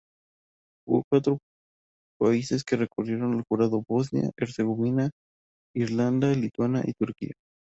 Hubo cuatro países que recurrieron al jurado: Bosnia y Herzegovina, Irlanda, Lituania y Turquía.